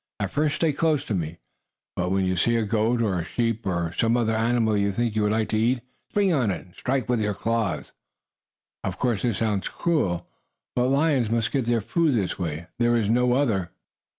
At first stay close to me, but when you see a goat or a sheep or some other animal you think you would like to eat, spring on it and strike it with your claws." Of course this sounds cruel, but lions must get their food this way; there is no other.